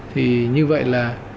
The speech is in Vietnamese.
thì như vậy là